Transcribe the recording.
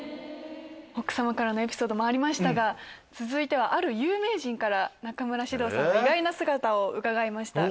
奥様からのエピソードもありましたが続いてはある有名人から中村獅童さんの意外な姿を伺いました。